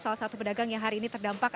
salah satu pedagang yang hari ini terdampak